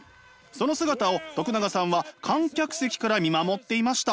その姿を永さんは観客席から見守っていました。